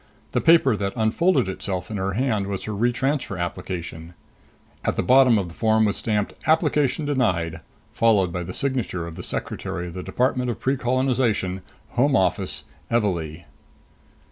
The paper that unfolded itself in her hand was her retransfer application. At the bottom of the form was stamped "Application Denied," followed by the signature of the Secretary of the Department of Precolonization, Home Office, Evalee.